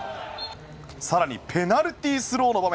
更にペナルティースローの場面。